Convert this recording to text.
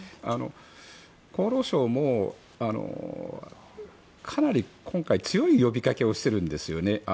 厚労省もかなり今回強い呼びかけをしているんですよね。